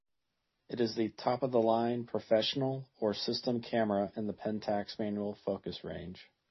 It is the top-of-the-line "professional" or "system" camera in the Pentax manual focus range.